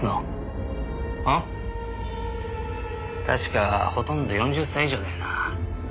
確かほとんど４０歳以上だよな？